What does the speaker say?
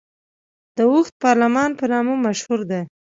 د اوږد پارلمان په نامه مشهوره ده.